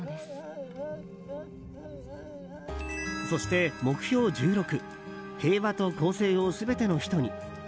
そして、目標１６「平和と公正をすべての人に」。